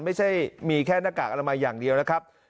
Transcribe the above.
ไม่ใช่มีแค่หน้ากากอนามัยอย่างเดียวนะครับ